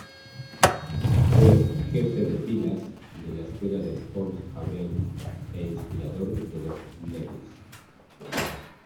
Fue "Jefe de filas" de la Escuela de Pont-Aven e inspirador de los Nabis.